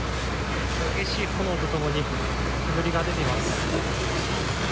激しい炎と共に煙が出ています。